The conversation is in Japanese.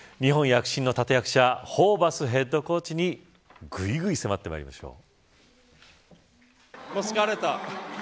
日本躍進の立役者ホーバスヘッドコーチにぐいぐい迫っていきましょう。